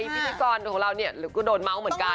พิธีกรของเราเนี่ยก็โดนเมาส์เหมือนกัน